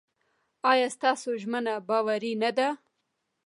ایا ستاسو ژمنه باوري نه ده؟